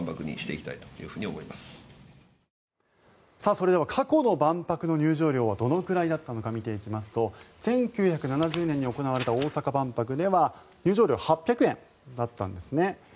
それでは過去の万博の入場料はどのくらいだったのか見ていきますと１９７０年に行われた大阪万博では入場料は８００円だったんですね。